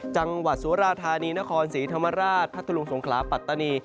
จังหวัดสุราธานีนครศรีธรรมราชพัทธลุงสงขลาปัตตานี